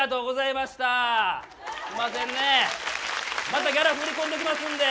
またギャラ振り込んどきますんで。